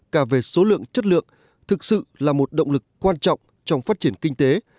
cả về số lượng chất lượng thực sự là một động lực quan trọng trong phát triển kinh tế